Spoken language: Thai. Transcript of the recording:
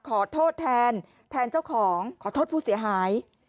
ขอโทษแทนแทนเจ้าของขอโทษผู้เสียหาย